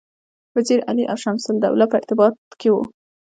وزیر علي او شمس الدوله په ارتباط کې وه.